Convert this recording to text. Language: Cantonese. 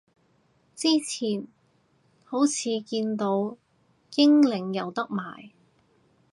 之前好似見到英領有得賣